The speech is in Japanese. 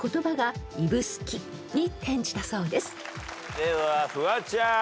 ではフワちゃん。